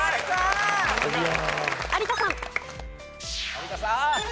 有田さん。